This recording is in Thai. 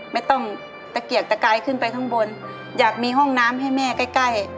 ไม่ต้องตะเกียกตะกายขึ้นไปข้างบนอยากมีห้องน้ำให้แม่ใกล้ใกล้